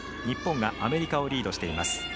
日本がアメリカをリードしています。